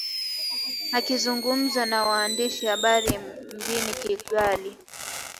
Akizungumza na waandishi habari mjini Kigali